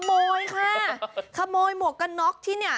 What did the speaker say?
ขโมยค่ะขโมยหมวกกันน็อกที่เนี่ย